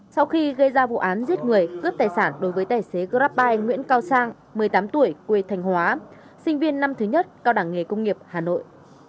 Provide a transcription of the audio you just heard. sau khi gây ra vụ án giết người cướp tài sản đối với tài xế grabbik nguyễn cao sang một mươi tám tuổi quê thành hóa sinh viên năm thứ nhất cao đẳng nghề công nghiệp hà nội